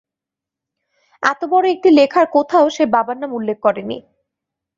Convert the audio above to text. এত বড় একটি লেখার কোথাও সে বাবার নাম উল্লেখ করেনি।